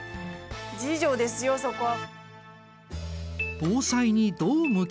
自助ですよそこは。